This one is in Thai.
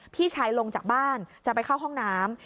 พี่ชายลงจากบ้านจะไปเข้าห้องน้ำ